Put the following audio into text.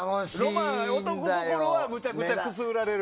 男心はめちゃくちゃくすぐられる。